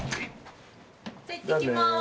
じゃいってきます。